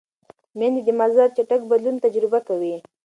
مېندې د مزاج چټک بدلون تجربه کوي.